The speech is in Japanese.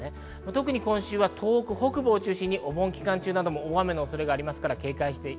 特に今週は東北北部を中心にお盆期間中なども大雨のところがあります。